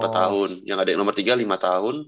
empat tahun yang adek nomor tiga lima tahun